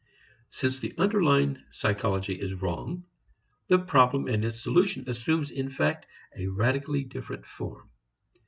Since the underlying psychology is wrong, the problem and its solution assumes in fact a radically different form.